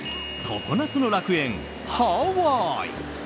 常夏の楽園、ハワイ。